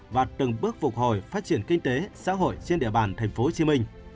và từng bước phục hồi phát triển kinh tế xã hội trên địa bàn tp hcm